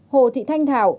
ba hồ thị thanh thảo